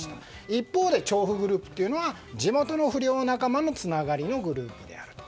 一方で調布グループというのは地元の不良仲間のつながりのグループであると。